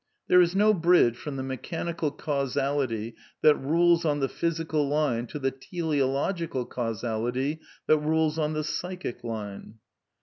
(liid,) There is no bridge from the mechanical causality that rules on the physical line to the teleological causality that rules on the psychic line.